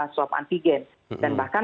swab antigen dan bahkan